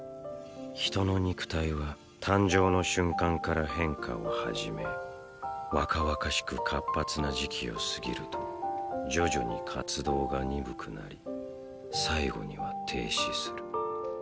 人の肉体は誕生の瞬間から変化を始め若々しく活発な時期を過ぎると徐々に活動が鈍くなり最後には停止する。